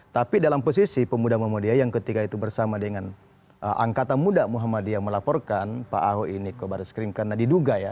tapi dalam posisi pemuda muhammadiyah yang ketika itu bersama dengan angkatan muda muhammadiyah melaporkan pak ahok ini ke baris krim karena diduga ya